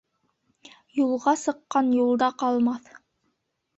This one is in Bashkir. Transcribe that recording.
Юлға сыҡҡан юлда ҡалмаҫ.